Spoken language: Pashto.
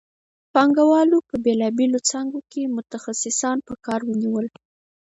پانګوالو په بېلابېلو څانګو کې متخصصان په کار ونیول